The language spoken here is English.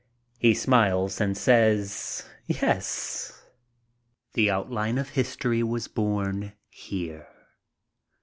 He smiles and says "yes." The Outline of History was born here.